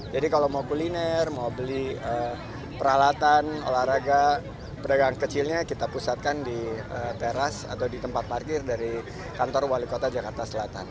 jadi kalau mau kuliner mau beli peralatan olahraga pedagang kecilnya kita pusatkan di teras atau di tempat parkir dari kantor wali kota jakarta selatan